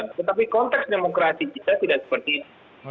tetapi konteks demokrasi kita tidak seperti itu